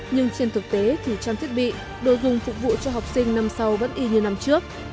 nhưng trên thực tế thì trang thiết bị đồ dùng phục vụ cho học sinh năm sau vẫn y như năm trước